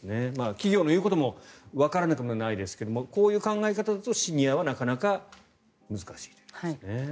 企業の言うこともわからなくはないですがこういう考え方だとシニアはなかなか難しいと。